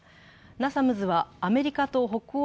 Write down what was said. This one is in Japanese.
ナサムズはアメリカと北欧